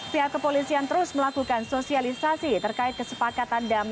sejak kepolisian terus melakukan sosialisasi terkait kesepakatan